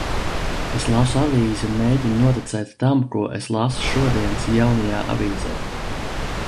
"Es lasu avīzi un mēģinu noticēt tam, ko es lasu šodienas "Jaunajā Avīzē"."